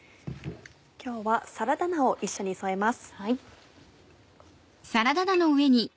今日はサラダ菜を一緒に添えます。